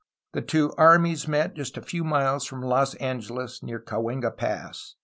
The two "armies^' met just a few miles from Los Angeles near Ca huenga Pass.